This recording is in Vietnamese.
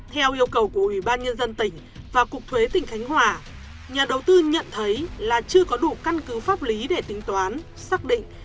theo yêu cầu của ủy ban nhân dân tỉnh và cục thuế tỉnh khánh hòa nhà đầu tư nhận thấy là chưa có đủ căn cứ pháp lý để tính toán xác định